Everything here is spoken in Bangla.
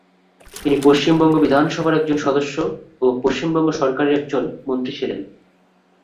তিনি পশ্চিমবঙ্গ বিধানসভার একজন সদস্য ও পশ্চিমবঙ্গ সরকারের একজন মন্ত্রী ছিলেন।